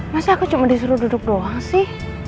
masa aku cuma disuruh duduk doang sih